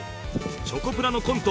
チョコプラのコント